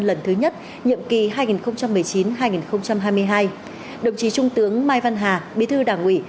lần thứ nhất nhiệm kỳ hai nghìn một mươi chín hai nghìn hai mươi hai đồng chí trung tướng mai văn hà bí thư đảng ủy